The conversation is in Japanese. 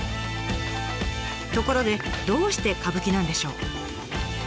ところでどうして歌舞伎なんでしょう？